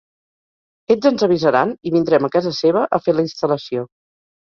Ells ens avisaran i vindrem a casa seva a fer la instal·lació.